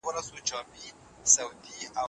که هغه مړ ږدن ډنډ ته نږدې ونه ګڼي، ښه ده.